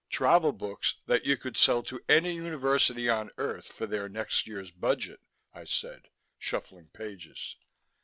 "Travel books that you could sell to any university on earth for their next year's budget," I said, shuffling pages.